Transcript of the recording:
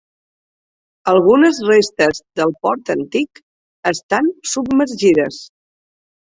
Algunes restes del port antic estan submergides.